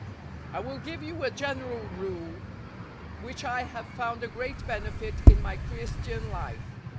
I will give you a general rule, which I have found a great benefit in my Christian life.